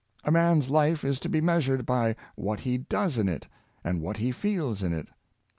A man's life is to be measured by what he does in it, and what he feels in it.